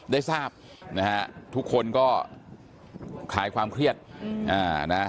ได้ทราบนะฮะทุกคนก็คลายความเครียดนะ